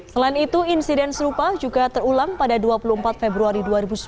selain itu insiden serupa juga terulang pada dua puluh empat februari dua ribu sembilan belas